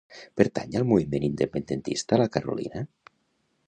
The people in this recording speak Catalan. Pertany al moviment independentista la Carolina?